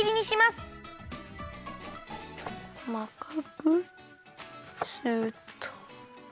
すっと。